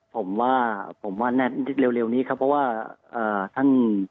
ผมว่าผมว่าแน่นเร็วนี้ครับเพราะว่าท่าน